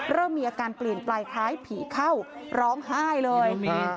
เริ่มมีอาการเปลี่ยนปลายคล้ายผีเข้าร้องไห้เลย